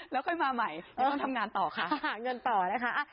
แล้วค่อยมาใหม่ต้องทำงานต่อค่ะหาเงินต่อแล้วค่ะอ่ะ